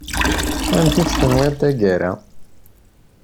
Amek i tt-tenwiḍ taggara.